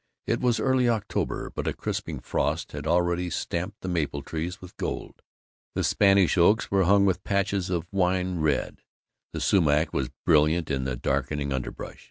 It was early October, but a crisping frost had already stamped the maple trees with gold, the Spanish oaks were hung with patches of wine red, the sumach was brilliant in the darkening underbrush.